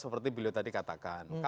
seperti beliau tadi katakan